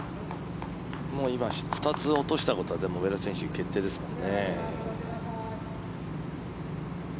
今、２つ落としたことは上田選手、決定ですもんね。